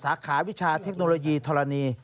สาขาวิชาเทคโนโลยีธรณี